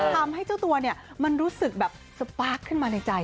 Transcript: ทำให้เจ้าตัวเนี่ยมันรู้สึกแบบสปาร์คขึ้นมาในใจ